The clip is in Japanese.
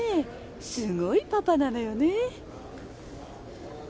すごいパパなのよね